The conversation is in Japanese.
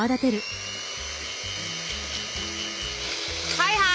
はいはい！